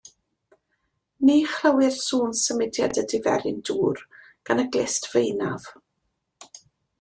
Ni chlywir sŵn symudiad y diferyn dŵr gan y glust feinaf.